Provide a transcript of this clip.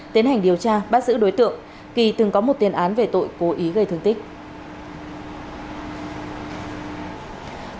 tiến hành điều tra bắt giữ đối tượng kỳ từng có một tiền án về tội cố ý gây thương tích